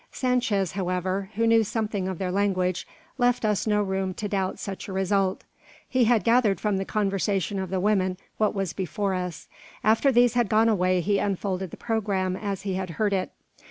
Sanchez, however, who knew something of their language, left us no room to doubt such a result. He had gathered from the conversation of the women what was before us. After these had gone away, he unfolded the programme as he had heard it.